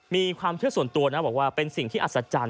มีความเชื่อส่วนตัวนะบอกว่าเป็นสิ่งที่อัศจรรย